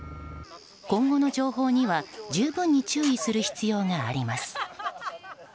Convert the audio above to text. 今後の情報には十分に注意する必要があります。